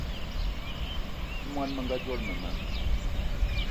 I món menga dzolo mema